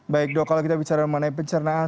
baik dok kalau kita bicara mengenai pencernaan